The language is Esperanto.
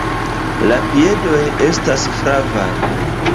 La piedoj estas flavaj.